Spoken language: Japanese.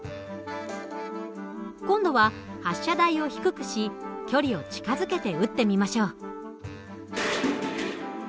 今度は発射台を低くし距離を近づけて撃ってみましょう。